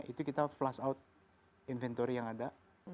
itu kita flash out inventory yang ada